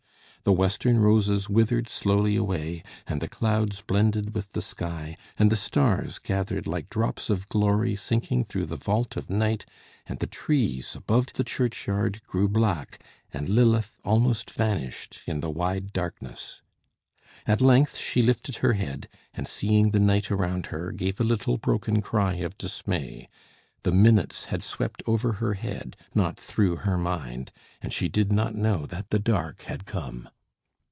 The western roses withered slowly away, and the clouds blended with the sky, and the stars gathered like drops of glory sinking through the vault of night, and the trees about the churchyard grew black, and Lilith almost vanished in the wide darkness. At length she lifted her head, and seeing the night around her, gave a little broken cry of dismay. The minutes had swept over her head, not through her mind, and she did not know that the dark had come.